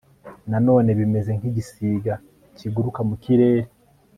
nanone bimeze nk'igisiga kiguruka mu kirere